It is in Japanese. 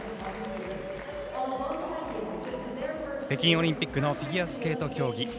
北京オリンピックのフィギュアスケート競技